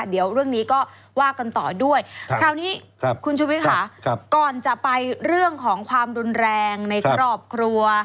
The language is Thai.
เดี๋ยวเรื่องนี้ก็ว่ากันต่อด้วยคราวนี้คุณชุวิตค่ะก่อนจะไปเรื่องของความรุนแรงในครอบครัว